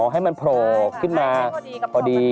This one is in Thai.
ให้มันโผล่ขึ้นมาพอดี